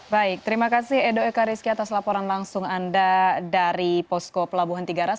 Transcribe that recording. baik terima kasih edo eka rizky atas laporan langsung anda dari posko pelabuhan tiga ras